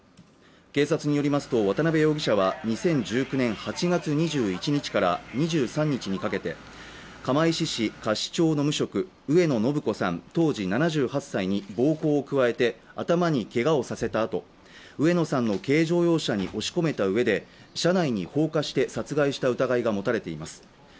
警察によりますと渡部容疑者は２０１９年８月２１日から２３日にかけて釜石市甲子町の無職上野誠子さん当時７８歳に暴行を加えて頭にけがをさせたあと上野さんの軽乗用車に押し込めた上で車内に放火して殺害した疑いが持たれています